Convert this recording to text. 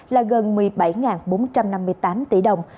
là gần một mươi bảy bốn trăm năm mươi tám tỷ đồng